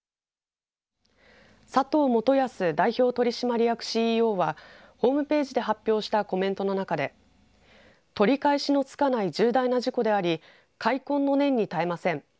佐藤元保代表取締役ＣＥＯはホームページで発表したコメントの中で取り返しのつかない重大な事故であり悔恨の念に耐えません。